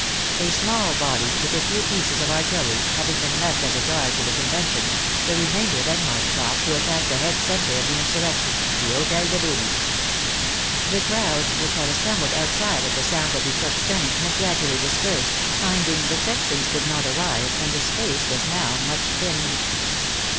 A small body, with a few pieces of artillery, having been left as a guard to the Conven tion, the remainder then marched off to attack the head center of the insurrection — the Hotel de Ville. The crowds which had assembled outside at the sound of the THE THERMIDOR 93 tocsin had gradually dispersed, finding the sections did not arrive, and the space was now much thinned.